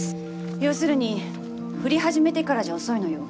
要するに降り始めてからじゃ遅いのよ。